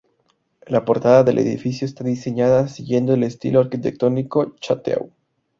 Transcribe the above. La portada del edificio está diseñada siguiendo el estilo arquitectónico château.